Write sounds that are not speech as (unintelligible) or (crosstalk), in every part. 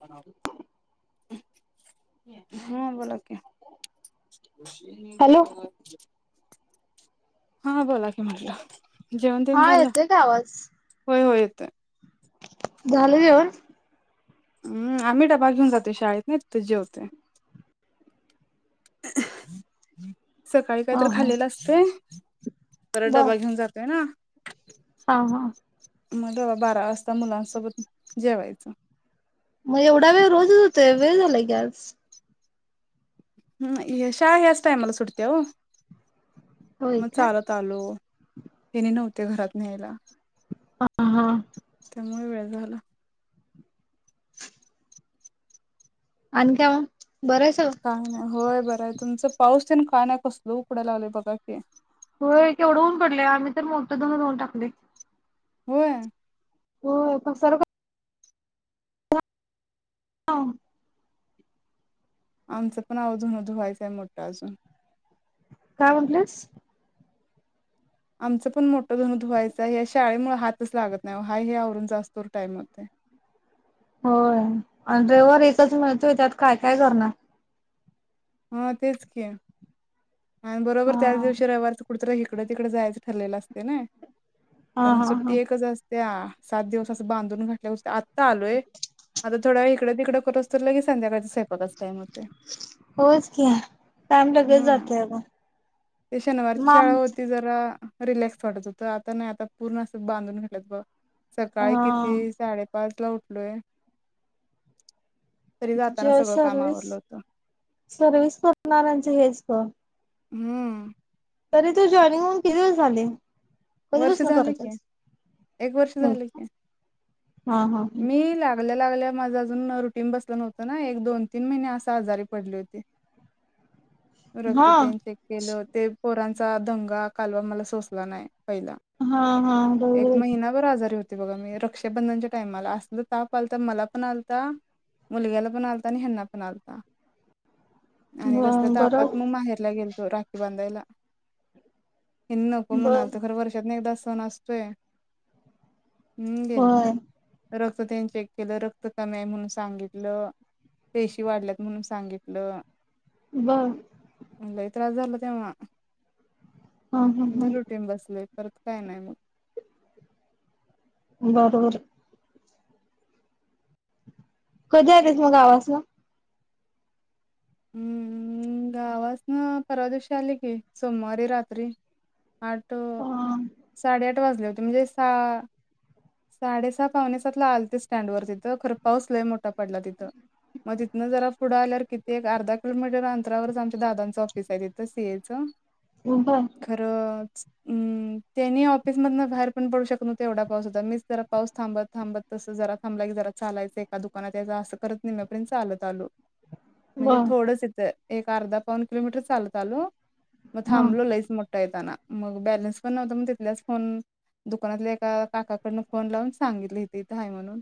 (unintelligible) हां बोला की! हॅलो (unintelligible) हा बोला की म्हटलं जेवण देऊन हा झालं येतोय का आवाज? होय - होय. (unintelligible) झालं जेवण? हम्म आम्ही डबा घेऊन जातो शाळेत नाही तिथंच जेवते. सकाळी काय हा तर हा खाल्लेलं असतय! (unintelligible) परत डबा घेऊन जातोय ना! हां- हां. मग तेंव्हा बारा वाजता मुलांसोबत जेवायचं! मग एवढा वेळ रोजच होतोय वेळ झालाय की आज! हम्म शाळा याच टाईमला सुटत्या. होय मग का चालत आलो. हेने नव्हते घरात न्यायला. हा- हा. म्हणून वेळ झाला. (unintelligible) आणि तेव्हा. काय ना होय. बरं आहे तुचं पाऊस तेन काय नाही कसल उकडयला लागलय बघा की. हो केवढ ऊन पडलय आम्ही तर मोठं धुन धुवुन टाकलय. होय. होय पसरतय. हा आमचं पण अव धुण धुवायच आहे मोठं अजून. काय म्हणलास आमचं पण मोठं धुन धुवायचं आहे या शाळेमुळे हातच लागत नाही हा हे आवरून जास तवर टाईम होतय. होय आणि रविवार एकच मिळतोय त्यात काय काय करणार. हा तेच की. आणि हा बरोबर त्याच दिवशी रविवारच. कुठेतरी इिकडं तिकडें जायचं ठरलेलं असत य नाही. हा कारण हा हा सुट्टी एकच असते. त्या सात दिवस असं बांधून घातल्यासारख आत्ता आलोय आता थोड्या वेळ इकडं तिकडं कर संपर्यंत लगे संध्याकाळचं स्वयंपाक. होच घ्या काम लगेच हम्म जात. ते शनिवारची शाळा होती जरा. रिलॅक्स वाटत होतं आता नाही आता पूर्ण असं बांधून घातल्यागत. सकाळी हा किती साडेपाचला उठ- पुढे ज सर्विस सर्विस करण्याराच हेच ग. हम्म तरी तो जॉइनिंग होऊन किती दिवस झाले. वर्ष कधीपासून झाले करत की आहेस? एक वर्ष होय झाले का? क हा हा मी लागल्या लागल्या. माझं अजून रुटीन बसला नव्हतं ना एक दोन तीन महिने अस. आजारी पडली होती. रक्त हा तेन चेक केल पोरा- चा दंगा कालवा मला सोचला नाही. पहिला हा हा एक बरोबर महिनाभर आजारी होते. बघा मी रक्षाबंधनच्या टाइमाला असल ताप आलता मला पण आलता मुलग्याला पण आलता आणि ह्यांना पण आलता. आणि तसल्या ब बरं तापात मी माहेरला गेलतो. तो राखी बांधायला. एनप म्हणा बर (unintelligible) शत ना एकदा सण असतोये हम् गेल तो होय रख तर त्यांनी चेक केलं रक्त कमी आहे म्हणून सांगितलं पेशी वाढल्यात म्हणून सांगितलं ब लई त्रास झाला तेव्हा! ह ह ह असल्या तर काय नाही मग बरोबर कधी आलीस मग गावासना हम्म गावासन परवा दिवशी आली कि सोमवारी रात्री आठ तो अ साडे आठ आठ वाजले होते म्हणजे सा साडे सहा पावणे सातला आले ते स्टँड वर तिथं खरं पाऊस लय मोठा पडला तिथं मग जिथंनाजरा पुढे आल ते एक अर्धा किलोमीटर अंतरावरच आमच्या दादांचं ऑफिस आहे इथं सीएचं बर खरंच हम् त्यांनी ऑफिसमधन बाहेर पण पडू शकत नव्हते एवढा पाऊस होता मीच तरा पाऊस थांबत थांबत तस जरा थांबला की जरा चालायचं एका दुकानात यायचा असं करत निम्म्यापर्यंत चालत आलो म्हणजे बर थोडंस इथं एक अर्धा पाऊन किलोमीटर चालत आलो म हा थांबलो लईस म येतना मग बॅलन्स पण नव्हत मग तिथल्याच फोन दुकानातल्या एका काकाकडन फोन लावून सांगितली इथं इथं आहे म्हणून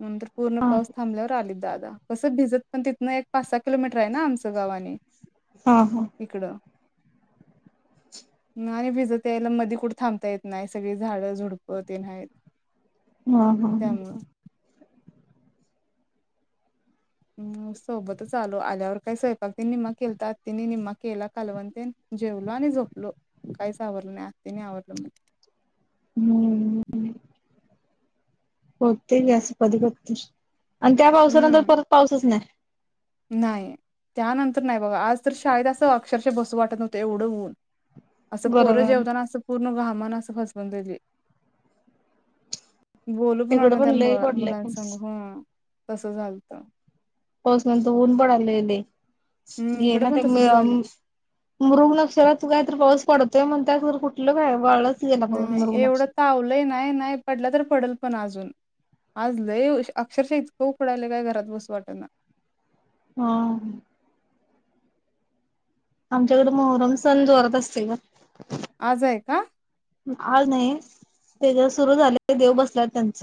नंतर पूर्ण हा हा पाऊ थांबल्यावर आली दाद कसं भिजत पण तिथं नाही एक पाच सहा किलोमीटर मित्र आहे ना आमचं गावाने हा हा इकडं नाय भिजत यायला मधी कुठे थांबता येत नाही सगळी झाडं झुडप ते नाय हा हा हा हम सोबतच आलो आल्यावर काही स्वयंपाक त निम्मा केलता आत्यानी निम्मा केला कळवण ते जेवलो आणि झोपलो काहीच आवरला नाही आत्यानी आवडल म्हण हम्म् होते गॅस कधीकधी आणि त्या पावसानंतर हम्म परत पाऊसच नाही नाही त्यानंतर नाही बाबा आज तर शाळेत असं अक्षरशः बसू वाटत होतं एवढं ऊन असं पोरं बरोबर जेवताना असं पूर्ण घाम मन अस फसवून दिली बोलू पण वाट इकडं ना त्यां मु लय पडलाय मुलांसग पाऊस ह हम्म तसं झालत उन पडालेले. हम् घे इकडे ना मी पण ते मी तसच आम झालं मृगनक्षरात काय तर पाऊस पडतोय म्हणत्या खरं कुठलं वेळ वाळत नाय, एवढं तावलंय नाय, नाय पडला तर पडल. पण अजून आज लय वश अक्षरशः इतकं उकडायल काय घरात बसू वाटना. हा. आमच्याकडे मोहरम सण जोरात असतंय ना. आज आहे का? आज नाही, ते ज सुरू झाले देव बसल्या त्यांच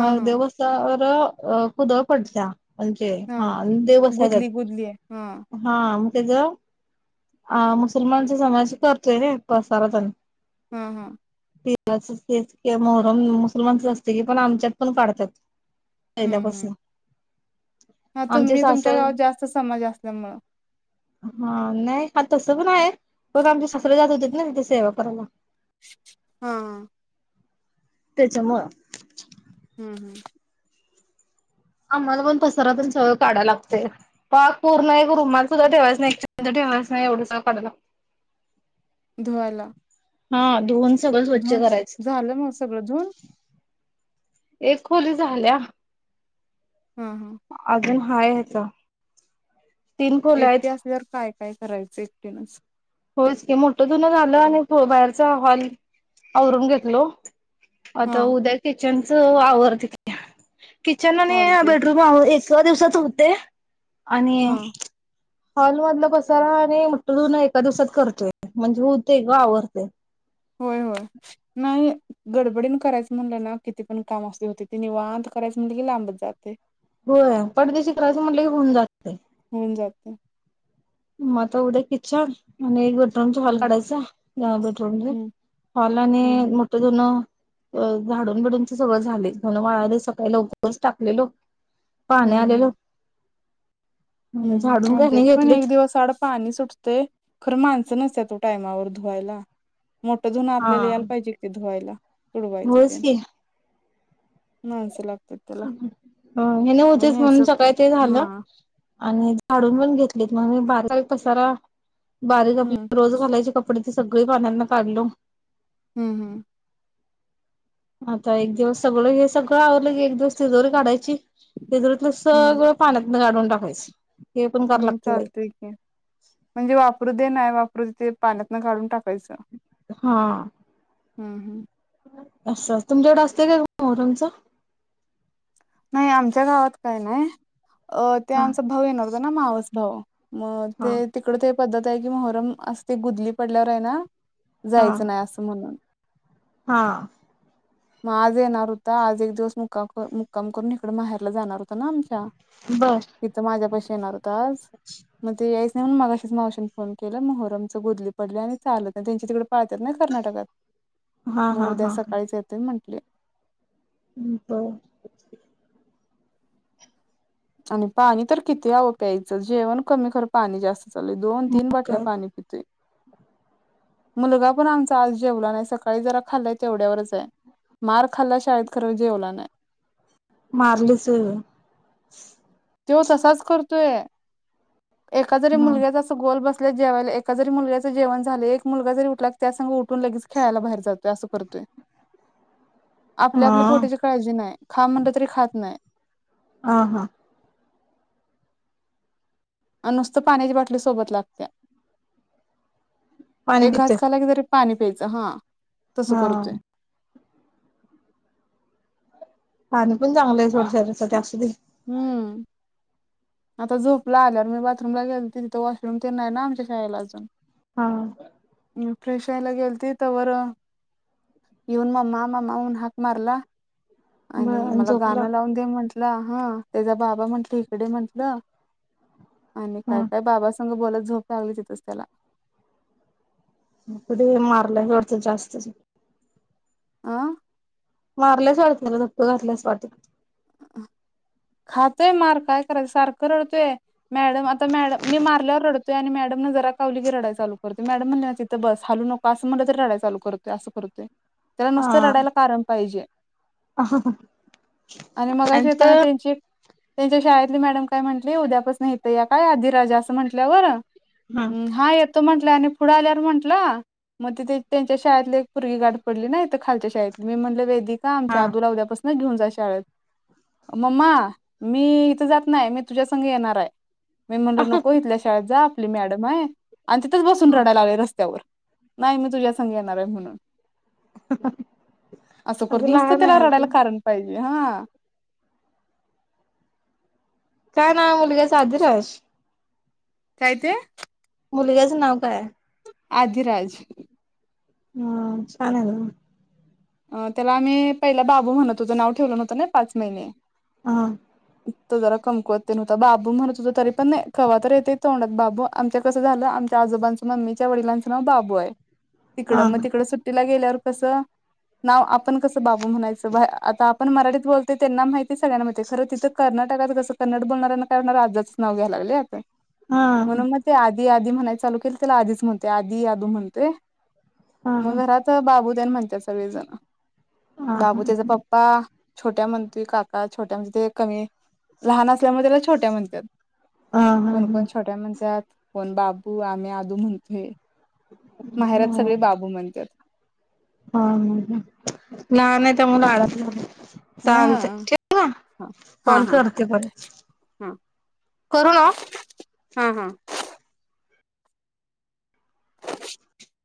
म हा देवस्थळावर क अ कुदळ पडत्या. अणजे हा देव बसायल्यात गुदली गुदली आहे हा हा. तेचा आ मुसलमानच्या समाजाशी करतोय व्हय, (unintelligible) ह-ह. (unintelligible) कित के मोहरम मुसलमानचस असते की पण आमच्यात पण काढतात. हम्म-हम्म, पहिल्यापासून हा आमचे तुम्ही तुमच्या सासरे गावात जास्त समाज असल्यामुळं. अ हा नाही आता सगड आहे पण आमचे सासरे जात होतेत ना तिथ सेवा करायला. हा-हा. त्याच्यामुळं हम्म-हम्म. आम्हाला पण पसारा पण सगळ काढाय लागतय पाक पूर्ण एक रुमाल सुद्धा ठेवायचं नाय (unintelligible) ठेवायच नाय एवढं काढाय लाग धुवायला. हा, धुण धुण, झालं म सगळं धुण? एक खोली झाल्या. ह-ह. हा ह्यात. एकटी असल्यावर काय? काय करायचं एकटीनच? होयच की, मोठ्ठं धुण झालं आणि भो बाहेरचा हॉल आवरून घेतलो. आता हा उद्या के त्यांच वावर तिथं (unintelligible) किचन अणि अ चालतय बेडरूम आव एच च दिवसाच होते. आणि हा. हॉलमधलं पसारा आणि म्हट जून एक का दिवसात करतोय म्हणजे होतंय गं आवरतय. होय-होय, नाही, गडबडीन करायचं म्हणलं ना किती पण काम असते होते. ति निवांत करायच म्हणलं की लांबत जातंय. होय पटदिशी करायचं म्हटलं की होऊन जातय. होऊन जातय, म आता उद्या किचन आणि आमचा हॉल हम्म काडायचा अ बेडरूम ते हम्म हॉल आणि हम्म मोठे दोन झाडून-बिडूनच सगळं झाले. धून वाळायला सकाळी लवकरच टाकलेलो. पाणी हम्म आलेलो हम्म. झाडून हम्म आमच्यात घाणी पण घेतलीत एक दिवसड पाणी सुटते, खरं माणसं नसतेत ओ टायमावर धुवायला. मोठं धुनण हा आपल्याला यायला पाहिजे ते धुवायला. तुडवायचं ते, होयच की माणसाला ह हे न होतेच म्हणून सगळं सकाळी ते झालं हा आणि काढून पण घेतलीत मग म बारीक पसारा बारीक आप हम्म रोज घालायचे कपडे सगळे पाण्यातन काढलो हम्म हम्म आता एक दिवस सगळं हे सगळं आवर एक दिवस तिजोरी काढायची तिजूरीतल सगळं पाण्यात काढून टाकायचं हे पण कराय हम्म लागतय बाई चालतंय की म्हणजे वापरू दे नाय वापर ते पाण्यात काढून टाक हा हम् हम् असं तुमच्या कडे असते काय ग मोहरंमच नाही आमच्या गावात काय नाय अ ते हा आमचा भाऊ येणार होता ना मावास भाऊ मग ते हा तिकड ते पद्धत आहे की मोहरम असते गुदली पडल्यावर आहे ना हा जायचं नाही असं म्हणून हा मग आज येणार होता आज एक दिवस मुक्काम कम करून इकडे माहेरला जाणार हो आमच्या बर तिथं माझ्या पशी येणार होताना मग आज नाही म्हणून मगाशीच मावशीन फोन केला मोहरमंच बुडली पडलीया आणि चालत नाय त्यांची तिकड पाळतयत ना कर्नाटकात हा मग हा उद्या हा सकाळीच येतोय म्हण ह बर आणि पाणी तर किती हवं प्यायचं जेवण कमी खर पाणी जास्त चले दोन तीन बाटल्या काय पाणी पितय मुलगा पण आमचा आज जेवला नाही सकाळी जरा खाल्लाय तेवढ्यावरच आहे मार खाल्ला शाळेत खरं जेवला नाही मारलस व्हय तो तसाच करतोय एका जरी हा मुलग्याचा अस गोल बस जेवाला एका जरी मुलग्याच जेवण झाले एक मुलगा जरी उठला त्या सं उठून लगेच खेळायला बाहेर जातोय अस करतोय आपल्या आपल्या हा पोटीची काळजी नाही खा म्हणलं तरी खात नाही ह हा अ नुसतं पाण्याच्या बाॉटली सोबत लागत्या पाणी एक पितोय घास खाला की तरी पाणी प्यायचं हा तसं हा करतोय पाणी पण चांगलं आहे सोड शरीरा साठी असुदे हम्म आता झोपला आल्यावर मी बाथरूमला गेलो तिथे तर वॉशरूम तेण नाही ना आमच्या शाळेला अजून हा फ्रेश यायला गेल त तर व येऊन म्मा ममा ऊन हाक मारला बर आणि मला झोपला गाणं लावून दे म्हण ला हा त्याचा बाबा म्हटलं इकडे म्हंटलं आणि काय हा काय बाबा बोलत झोप लागली तिथच त्याला कुठे मारला ववडतं जास्तच आ कारला स्ड नप कला स् वाटात खातय मार काय करायचं सारखं रडतोय मॅडम आता मॅड मी मारल्यावर रडतोय आणि मॅडम न जरा कावली की रडई चालू करतोय मॅडम म्हणली ना तिथं बस हलू नको असं म्हटलं तरी रडाई चालू करतोय असं करतोय त्याला नुसतं रडायला कारण पाहिजे ह ह आणि मग अशी येताना त्यांची एक त्यांच्या शाळेतली मॅडम काय म्हटली उद्या पासून नहेत या काय आधिराज असं म्हंटल्यावर हम्म हा येत त म्हट आणि पुढं आल्यावर म्हट मग त त्यांच्या शाळेतली एक पोरगी गाड पडली ना खालच्या शाळेतली मी म्हटलं वेदिक हा आमच्या आदू उद्या पासन न घेऊन जा शाळेत मम्मा मी इथं जात नाही मी तुझ्या संघ येणार हाय मी म्हणल नको इथल्या शाळेत जा आपली मॅडम हाय आणि तिथंच बसून रडाला लागल्या रस्त्यावर नाही मी तुझ्यासंघ येणार आहे म्हणून असं करत अगं नुसतं लहान त्याला आहे रडायला अजून कारण पाहिजे हा काय ना मुलग्याच अधिराज काय ते मुलग्याचं नाव काय आदिराज हा छान आहे अ त्याला आम्ही पहिला बाबू म्हणत होतो नाव ठेवलं नवतं ना पाच महिने हा तो जरा कमकवत ते नव्हता बाबू म्हणत त हो तरी पण कवातर येत तोंडात बाबू आमच्या कसं झालं आमच्या आजोबांचं मम्मीच्या वडलांचं नाव बाबू आहे हा तिकडं मग हा तिकडं सु सुट्टीला गेल्यावर कसं नाव आपण कसं बाबू म्हणायचं आता आपण मराठीत बोलतय त्यांना माहितीय सगळ्यांना माहिताय खरं तिथं कर्नाटकात कसं कन्नड बोलणाऱ्यांना काय वाटणार आज्याचं नाव घ्यायला लागल्यात हा म्हणून मग ते आधी म्हणाय चालू केल त्याला आधीच म्हणतेय आधी आदू म्हणतेय हा मग हा घरात बाबू टेन म्हणते सगळे जण हा बाबू त्याचा पप्पा छोट्या म्हणतोय काका छोट्या म्हणजे ते एक लहान असल्यामुळे त्याला छोट्या म्हणतात हा हा कोणकण छोट्या म्हणत्यात कोण बाबू आम्ही आदू म्हणतोय माहेरात सगळे बाबू म्हणतात (unintelligible) चालतंय हा ठेवू का हा हा कॉल हा करते परत हा करू ना हा हा